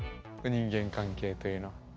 人間関係というのは。